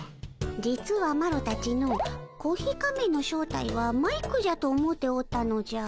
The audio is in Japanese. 実はマロたちのうコーヒー仮面の正体はマイクじゃと思うておったのじゃ。